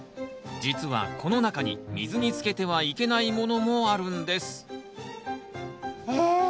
実はこの中に水につけてはいけないものもあるんですえ。